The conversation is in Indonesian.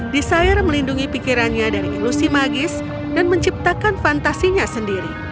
desire melindungi pikirannya dari ilusi magis dan menciptakan fantasinya sendiri